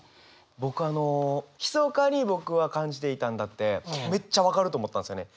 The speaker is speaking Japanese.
僕あの「ひそかに僕は感じていたんだ」ってめっちゃ分かると思ったんですよね。